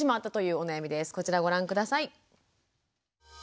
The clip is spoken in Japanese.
こちらをご覧下さい。